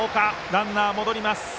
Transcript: ランナーは戻ります。